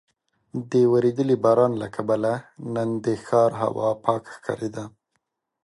د ورېدلي باران له کبله نن د ښار هوا پاکه ښکارېده.